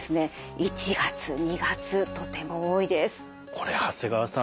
これ長谷川さん